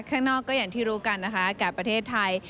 ข้างนอกก็อย่างที่รู้กันนะคะอากาศประเทศไทย